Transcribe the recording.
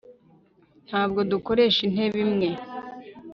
ntabwo dukoresha intebe imwe